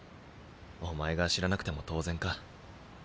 お前が知らなくても当然か。